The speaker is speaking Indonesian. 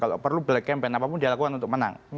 kalau perlu black campaign apapun dia lakukan untuk menang